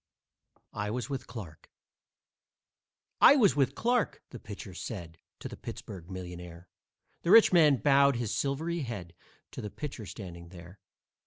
I WAS WITH CLARKE "I was with Clarke," the pitcher said To the Pittsburg millionaire. The rich man bowed his silvery head To the pitcher standing there.